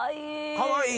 かわいい。